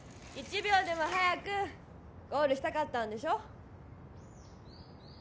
１秒でも早くゴールしたかったんでしょ？